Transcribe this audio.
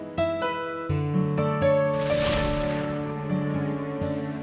den mau kemana den